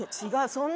そんな。